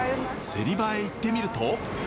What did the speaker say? セリ場へ行ってみると。